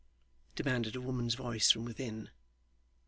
demanded a woman's voice from within.